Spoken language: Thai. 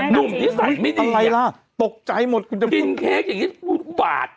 ดุ่มที่สั่งไม่ดีอะไรล่ะตกใจหมดกินเค้กอย่างงี้อุ้ยบาด